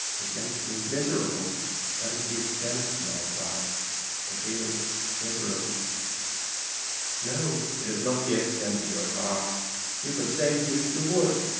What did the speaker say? It makes me miserable. That is the extent of my power to feel miserable." "No, it is not the extent of your power. You could save me if you would.